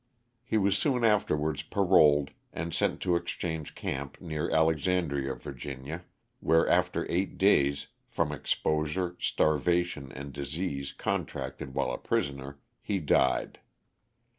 He was soon afterwards paroled and sent to exchange camp, near Alexandria, Va., where after eight days (from exposure, starvation and disease contracted while a prisoner) he died.